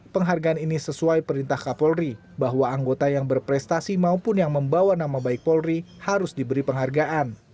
penghargaan ini sesuai perintah kapolri bahwa anggota yang berprestasi maupun yang membawa nama baik polri harus diberi penghargaan